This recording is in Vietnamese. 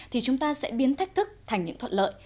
thì chúng ta sẽ biến thách thức thành những thuận lợi